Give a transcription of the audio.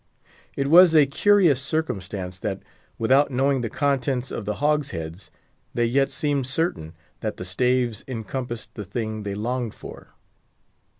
It was a curious circumstance that, without knowing the contents of the hogsheads, they yet seemed certain that the staves encompassed the thing they longed for.